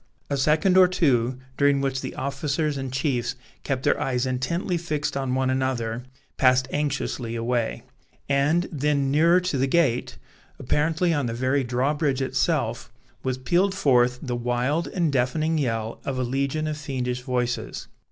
A second or two, during which the officers and chiefs kept their eyes intently fixed on one another, passed anxiously away; and then nearer to the gate, apparently on the very drawbridge itself, was pealed forth the wild and deafening yell of a legion of fiendish voices.